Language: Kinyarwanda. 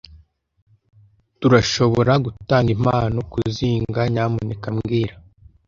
Turashoboragutanga impano-kuzinga, nyamuneka mbwira